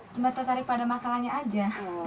cuma tertarik pada masalahnya aja